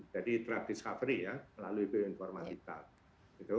jadi discovery ya melalui bioinformatika gitu